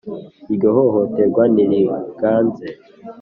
iryo hohoterwa ntiriganze.